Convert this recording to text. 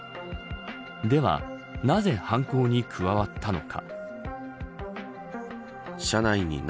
ではなぜ、犯行に加わったのか。